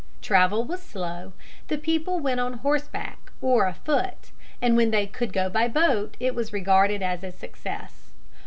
Travel was slow, the people went on horseback or afoot, and when they could go by boat it was regarded as a success.